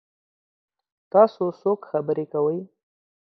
تاسو څوک خبرې کوي؟